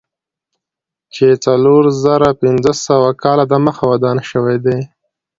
چې څلور زره پنځه سوه کاله دمخه ودان شوی دی.